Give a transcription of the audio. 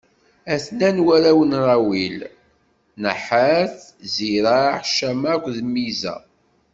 A-ten-an warraw n Raɛuwil: Naḥat, Ziraḥ, Cama akked Miza.